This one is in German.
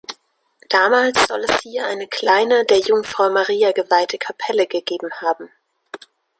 Damals soll es hier eine kleine, der Jungfrau Maria geweihte Kapelle gegeben haben.